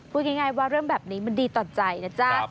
พูดง่ายว่าเรื่องแบบนี้มันดีต่อใจนะจ๊ะ